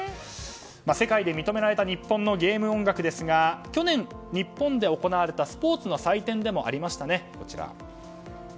世界で認められた日本のゲーム音楽ですが去年、日本で行われたスポーツの祭典でもありましたね。